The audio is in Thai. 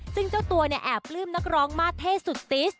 ซึ่งเจ้าตัวเนี่ยแอบปลื้มนักร้องมาเท่สุดติส